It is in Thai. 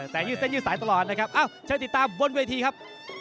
แต่ยืดเส้นยืดสายตลอดนะครับเชิญติดตามบนเวทีครับ